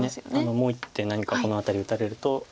もう１手何かこの辺り打たれると。